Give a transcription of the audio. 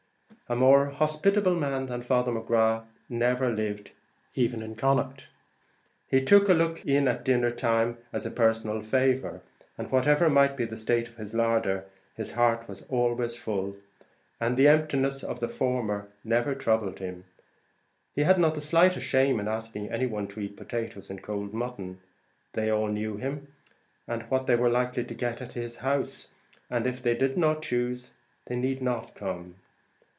A more hospitable man than Father McGrath never lived even in Connaught; he took a look in at dinner time as a personal favour; and whatever might be the state of his larder, his heart was always full, and the emptiness of the former never troubled him. He had not the slightest shame at asking any one to eat potatoes and cold mutton. They all knew him, and what they were likely to get at his house, and if they did not choose, they need not come.